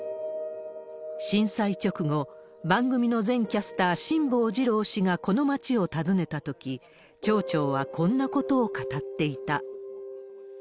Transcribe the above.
震災直後、番組の前キャスター、辛坊治郎氏がこの町を訪ねたとき、町長はこんなことを語っていた。